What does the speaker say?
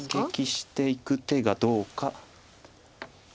反撃していく手がどうか。